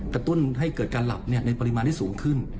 ตุ้นให้เกิดการหลับในปริมาณที่สูงขึ้น